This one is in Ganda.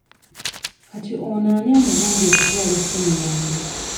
Kati ono ani yamugambye okutwala essimu yange.